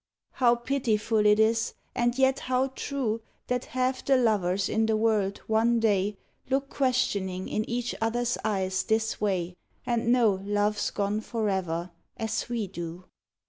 How pitiful it is, and yet how true That half the lovers in the world, one day, Look questioning in each other's eyes this way And know love's gone forever, as we do.